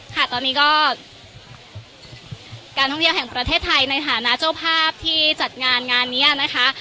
ค่ะตอนนี้ก็การท่องเที่ยวแห่งประเทศไทยในฐานะเจ้าภาพที่จัดงานงานนี้นะคะ